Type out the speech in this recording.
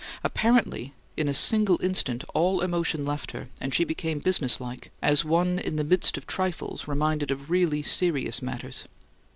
Apparently in a single instant all emotion left her, and she became businesslike, as one in the midst of trifles reminded of really serious matters.